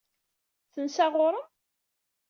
Tensa ɣur-m?